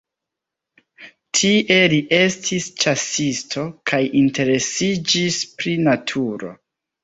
Tie li estis ĉasisto kaj interesiĝis pri naturo.